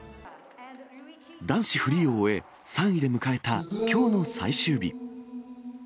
男子フリーを終え、３位で迎えたきょうの最終日。